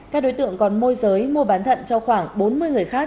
các đối tượng còn môi giới mua bán thận cho khoảng bốn mươi người khác